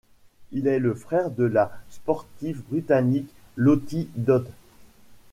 Il est le frère de la sportive britannique Lottie Dod.